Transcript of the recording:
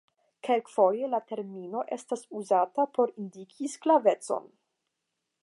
Kelkfoje la termino estas uzata por indiki sklavecon.